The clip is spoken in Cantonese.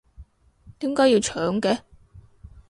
點解要搶嘅？